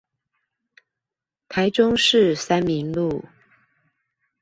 台中市三民路